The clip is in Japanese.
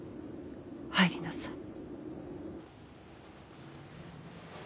入りなさい。